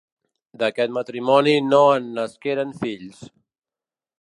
D'aquest matrimoni no en nasqueren fills.